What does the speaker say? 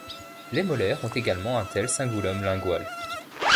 Les molaires ont également un tel cingulum lingual.